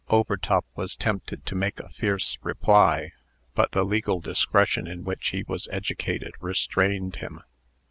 Overtop was tempted to make a fierce reply; but the legal discretion in which he was educated restrained him.